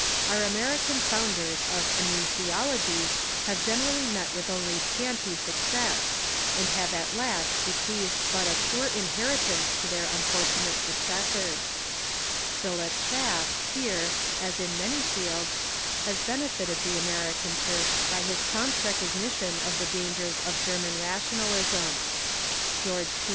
Our American founders of a "new theology" have generally met Avith only scanty success, and have at last bequeathed but a poor inheri tance to their unfortunate successors. Philip Schaff, here, as in many fields, has benefited the American Church by his Representative pi'on^pt recognition of the dangers of German ra American tionalism. George P.